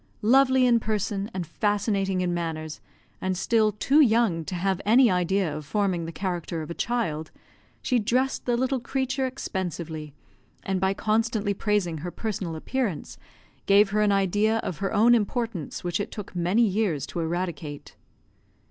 Lovely in person, and fascinating in manners, and still too young to have any idea of forming the character of a child, she dressed the little creature expensively; and, by constantly praising her personal appearance, gave her an idea of her own importance which it took many years to eradicate.